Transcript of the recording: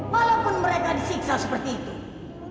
walaupun mereka disiksa seperti itu